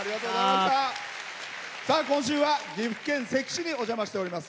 今週は岐阜県関市にお邪魔しております。